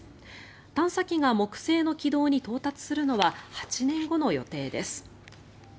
探査機が木星の軌道に到達するのは８年後の予定です。